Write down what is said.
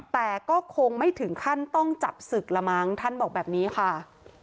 แต่ก็คงไม่ถึงขั้นต้องจับศึกละมั้งท่านบอกแบบนี้ค่ะ